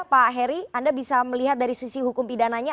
pak heri anda bisa melihat dari sisi hukum pidananya